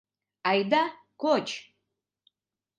Айда, коч.